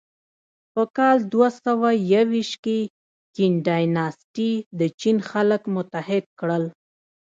په کال دوهسوهیوویشت کې کین ډایناسټي د چین خلک متحد کړل.